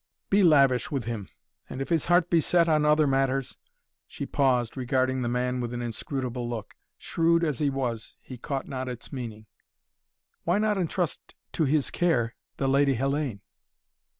"Be lavish with him, and if his heart be set on other matters " She paused, regarding the man with an inscrutable look. Shrewd as he was, he caught not its meaning. "Why not entrust to his care the Lady Hellayne?"